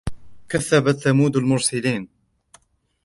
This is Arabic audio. كذبت ثمود المرسلين